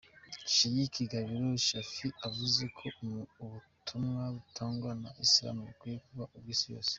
Sheikh Gabiro Shaffi yavuze ko ubutumwa butangwa na Islam bukwiye kuba ubw’Isi yose.